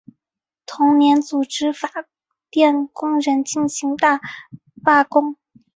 同年组织法电工人进行大罢工。